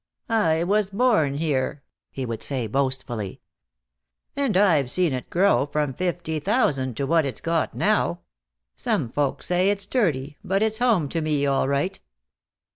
"I was born here," he would say, boastfully. "And I've seen it grow from fifty thousand to what it's got now. Some folks say it's dirty, but it's home to me, all right."